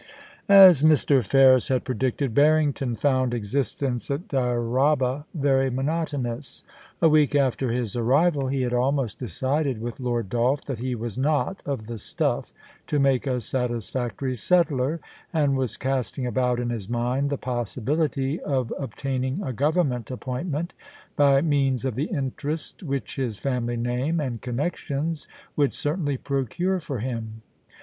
As Mr. Ferris had predicted, Barrington found existence at Dyraaba very monotonous. A week after his arrival he had almost decided with Lord Dolph that he was not of the stuff to make a satisfactory settler, and was casting about in his mind the possibility of obtaining a Government appoint ment by means of the interest which his family name and connections would certainly procure for him.